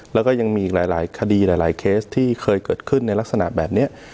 แล้วก็ยังมีอีกหลายคดีหลายเคสที่เคยเกิดขึ้นในลักษณะแบบนี้